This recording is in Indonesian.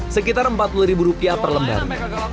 sekitar empat puluh ribu rupiah per lembar